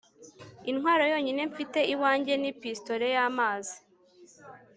intwaro yonyine mfite iwanjye ni pistolet y'amazi